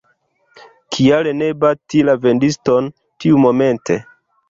Kial ne bati la vendiston tiumomente?